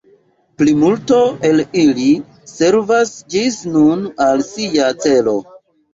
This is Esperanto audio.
Plimulto el ili servas ĝis nun al sia celo.